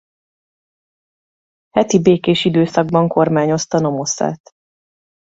Heti békés időszakban kormányozta nomoszát.